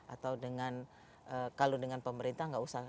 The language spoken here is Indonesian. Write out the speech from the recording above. atau dengan kalau dengan pemerintah nggak usah